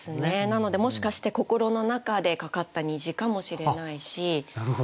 なのでもしかして心の中でかかった虹かもしれないし。